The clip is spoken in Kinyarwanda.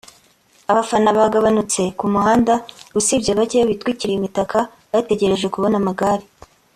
abafana bagabanutse ku muhanda usibye bake bitwikiriye imitaka bategereje kubona amagare